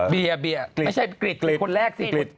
เบียร์ไม่ใช่กริดคนแรกสิ